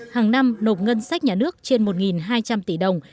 hàng năm nộp ngân sách nhà nước trên một hai trăm linh tỷ đồng